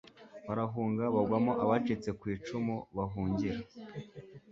barahunga bagwamo abacitse ku icumu bahungira